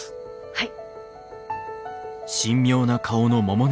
はい。